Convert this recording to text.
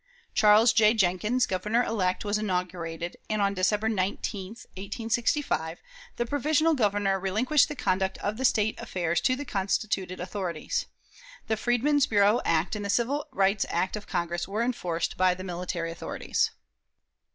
Charles J. Jenkins, Governor elect, was inaugurated, and on December 19, 1865, the provisional Governor relinquished the conduct of the State affairs to the constituted authorities. The Freedmen's Bureau Act and the Civil Rights Act of Congress were enforced by the military authorities.